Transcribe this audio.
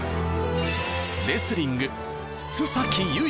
レスリング、須崎優衣。